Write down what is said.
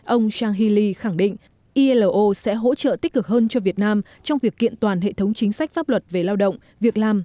ông chang hee lee khẳng định ilo sẽ hỗ trợ tích cực hơn cho việt nam trong việc kiện toàn hệ thống chính sách pháp luật